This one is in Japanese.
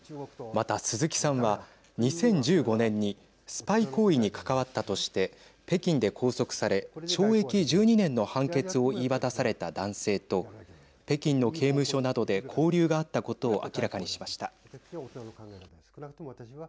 また鈴木さんは２０１５年にスパイ行為に関わったとして北京で拘束され懲役１２年の判決を言い渡された男性と北京の刑務所などで交流があったことを明らかにしました。